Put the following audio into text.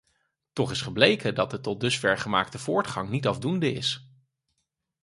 Toch is gebleken dat de tot dusver gemaakte voortgang niet afdoende is.